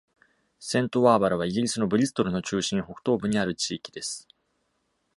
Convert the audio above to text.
セントワーバラは、イギリスのブリストルの中心北東部にある地域です。